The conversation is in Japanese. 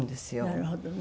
なるほどね。